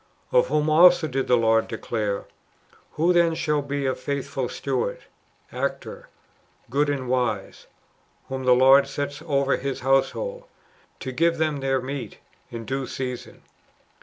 "^ Of whom also did the Lord declare, " Who then shall be a faithful steward {actor)^ good and wise, whom the Lord sets over His household, to give them their meat in due season?